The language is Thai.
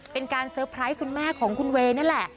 เป็นการเซอร์ไพรส์คุณแม่ของคุณเวย์นั่นแหละ